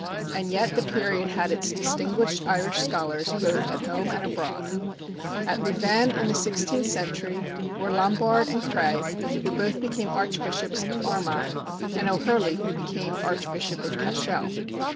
And yet the period had its distinguished Irish scholars both at home and abroad. At Louvain, in the sixteenth century, were Lombard and Creagh, who both became Archbishops of Armagh, and O'Hurley who became Archbishop of Cashel.